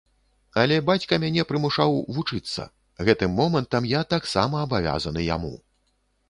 Але бацька мяне прымушаў вучыцца, гэтым момантам я таксама абавязаны яму.